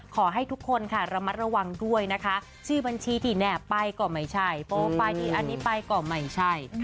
ขอให้ทุกคนค่ะระมัดระวังด้วยนะคะชื่อบัญชีที่แนบไปก็ไม่ใช่โปรไฟล์ที่อันนี้ไปก็ไม่ใช่